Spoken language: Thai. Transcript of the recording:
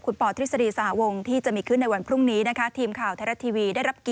ขอบคุณครับ